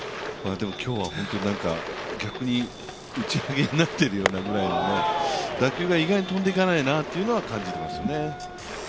でも今日は、逆に打ち上げになっているような、打球が意外に飛んでいかないなというのは感じていますよね。